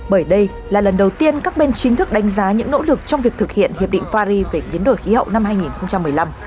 bởi đây là lần đầu tiên các bên chính thức đánh giá những nỗ lực trong việc thực hiện hiệp định paris về biến đổi khí hậu năm hai nghìn một mươi năm